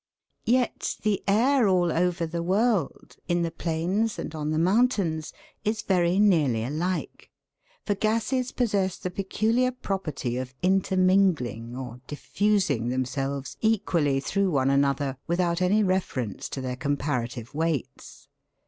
Yet the air all over the world, in the plains and on the mountains, is very nearly alike, for gases possess the peculiar property of intermingling or " diffusing " themselves equally through one another without any reference to their com parative weights.